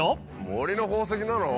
森の宝石なの？